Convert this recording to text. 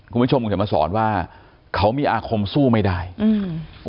คุณผู้ชมคุณเขียนมาสอนว่าเขามีอาคมสู้ไม่ได้อืม